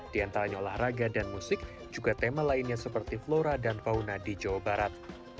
di antaranya olahraga dan musik juga tema lainnya seperti flora dan fauna di jawa barat